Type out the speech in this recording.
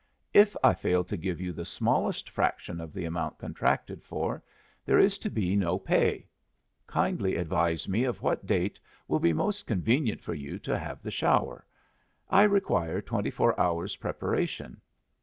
If I fail to give you the smallest fraction of the amount contracted for, there is to be no pay. Kindly advise me of what date will be most convenient for you to have the shower. I require twenty four hours' preparation.